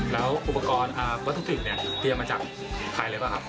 แล้วอุปกรณ์วัตถุดิบเนี่ยเตรียมมาจากใครเลยป่ะครับ